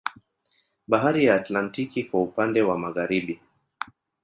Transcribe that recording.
Bahari ya Atlantiki kwa upande wa Magharibi